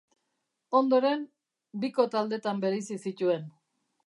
Ondoren, biko taldetan bereizi zituen.